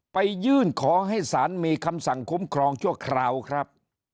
ยื่นขอให้ศาลมีคำสั่งคุ้มครองชั่วคราวครับ